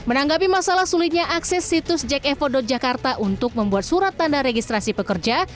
menanggapi masalah sulitnya akses situs jakevo jakarta untuk membuat surat tanda registrasi pekerja